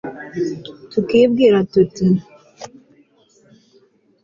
tukibwira tuti